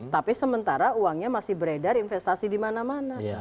tapi sementara uangnya masih beredar investasi di mana mana